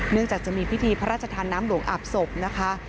เนื่องจากจะมีพิธีพระราชธาน้ำหลวงอับศพนะคะ